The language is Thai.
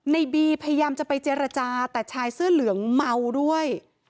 ในบีพยายามจะไปเจรจาแต่ชายเสื้อเหลืองเมาด้วย